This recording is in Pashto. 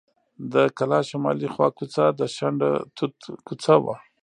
د کلا شمالي خوا کوڅه د شنډه توت کوڅه وه.